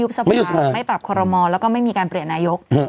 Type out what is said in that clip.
สภาไม่ปรับคอรมอลแล้วก็ไม่มีการเปลี่ยนนายก